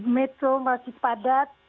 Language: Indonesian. metro masih padat